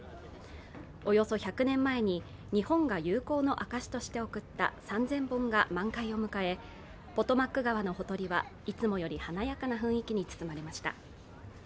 およそ１００年前に日本が友好の証として贈った３０００本が満開を迎えポトマック川のほとりはいつもより華やかな雰囲気に包まれました。